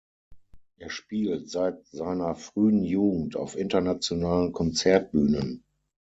Er spielt seit seiner frühen Jugend auf internationalen Konzertbühnen.